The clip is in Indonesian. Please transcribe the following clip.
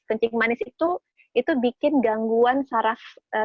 kencing manis itu itu bikin gangguan secara eksternal